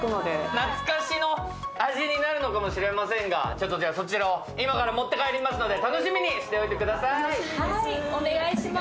懐かしの味になるのかもしれませんが、ちょっとそちらを今から持って帰りますので、楽しみにしていてください。